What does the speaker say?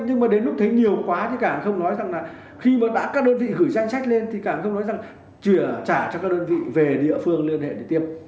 nhưng mà đến lúc thấy nhiều quá thì cảng không nói rằng là khi mà đã các đơn vị gửi danh sách lên thì càng không nói rằng chỉ trả cho các đơn vị về địa phương liên hệ để tiêm